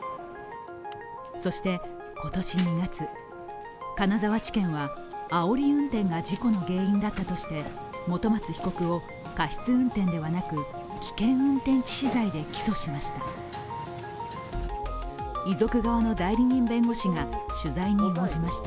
そして今年２月、金沢地検はあおり運転が事故の原因だったとして本松被告を、過失運転ではなく危険運転致死罪で起訴しました。